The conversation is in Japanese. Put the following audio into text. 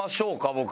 僕。